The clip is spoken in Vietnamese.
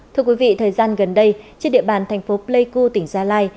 thưa quý vị thời gian gần đây trên địa bàn tp pleiku tỉnh gia lai